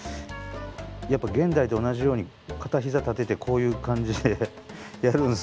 やっぱ現代と同じように片膝立ててこういう感じでやるんですね。